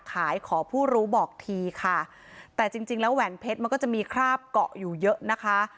ขอผู้รู้บอกทีค่ะแต่จริงจริงแล้วแหวนเพชรมันก็จะมีคราบเกาะอยู่เยอะนะคะ